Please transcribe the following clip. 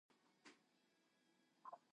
He owned it until his death.